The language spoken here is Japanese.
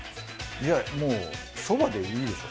いやもうそばでいいでしょ。